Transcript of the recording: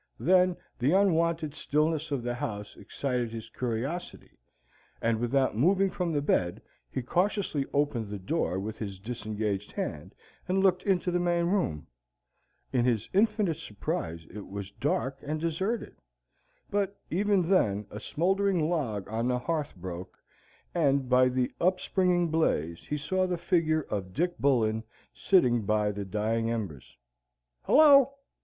Then the unwonted stillness of the house excited his curiosity, and without moving from the bed, he cautiously opened the door with his disengaged hand, and looked into the main room. To his infinite surprise it was dark and deserted. But even then a smouldering log on the hearth broke, and by the upspringing blaze he saw the figure of Dick Bullen sitting by the dying embers. "Hello!"